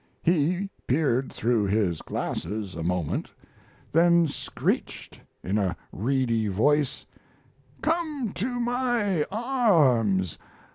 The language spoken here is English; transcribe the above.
He peered through his glasses a moment, then screeched in a reedy voice, "Come to my arms!